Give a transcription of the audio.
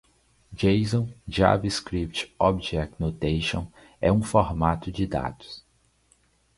JSON (JavaScript Object Notation) é um formato de dados.